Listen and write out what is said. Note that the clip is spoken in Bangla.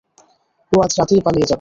ও আজ রাতেই পালিয়ে যাবে।